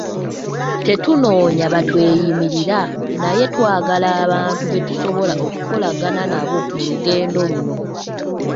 Tetunoonya batweyimirira naye twagala abantu be tusobola okukolagana nabo mu lugendo luno.